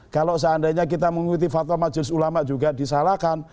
kalau seandainya kita mengikuti fatwa majelis ulama juga disalahkan